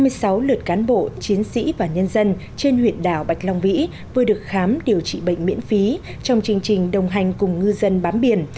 hai mươi sáu lượt cán bộ chiến sĩ và nhân dân trên huyện đảo bạch long vĩ vừa được khám điều trị bệnh miễn phí trong chương trình đồng hành cùng ngư dân bám biển